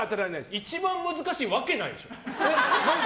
一番難しいわけないでしょ。